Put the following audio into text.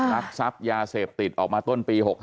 รักทรัพย์ยาเสพติดออกมาต้นปี๖๕